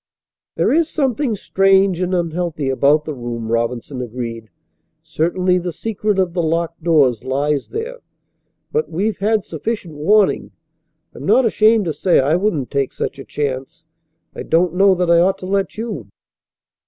"There is something strange and unhealthy about the room," Robinson agreed. "Certainly the secret of the locked doors lies there. But we've had sufficient warning. I'm not ashamed to say I wouldn't take such a chance. I don't know that I ought to let you."